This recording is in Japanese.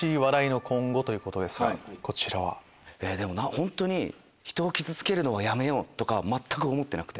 本当に人を傷つけるのはやめようとか全く思ってなくて。